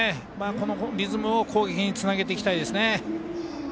このリズムを攻撃につなげたいですね。